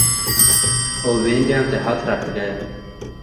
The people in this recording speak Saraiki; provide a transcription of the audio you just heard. او ویندیاں تے ہتھ رکھ ڳئے